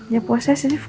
ya posesif kan